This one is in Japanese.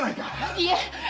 いえ